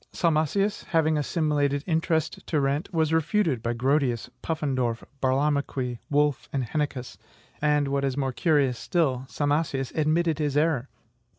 Salmasius, having assimilated interest to rent, was REFUTED by Grotius, Pufendorf, Burlamaqui, Wolf, and Heineccius; and, what is more curious still, Salmasius ADMITTED HIS ERROR.